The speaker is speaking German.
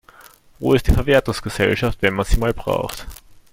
Wo ist die Verwertungsgesellschaft, wenn man sie mal braucht?